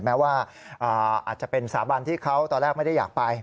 แม้ว่าอาจจะเป็นสาบันที่เขาตอนแรกไม่ได้อยากไป